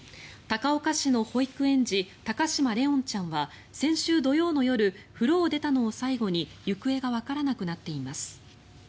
高岡市の保育園児高嶋怜音ちゃんは先週土曜の夜風呂を出たのを最後に行方がわからなくなっています。